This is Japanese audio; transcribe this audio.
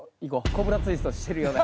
コブラツイストしてるような。